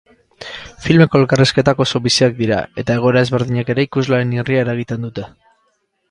Filmeko elkarrizketak oso biziak dira eta egoera ezberdinek ere ikuslearen irria eragiten dute.